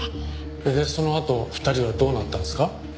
そのあと２人はどうなったんですか？